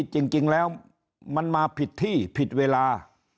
จริงแล้วมันมาผิดที่ผิดเวลา